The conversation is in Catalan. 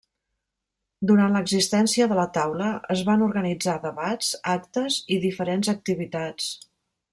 Durant l'existència de la Taula es van organitzar debats, actes i diferents activitats.